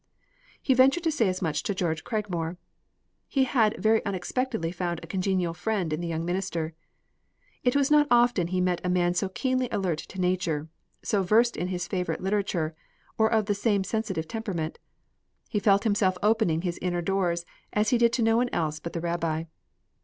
He ventured to say as much to George Cragmore. He had very unexpectedly found a congenial friend in the young minister. It was not often he met a man so keenly alert to nature, so versed in his favorite literature, or of his same sensitive temperament. He felt himself opening his inner doors as he did to no one else but the rabbi.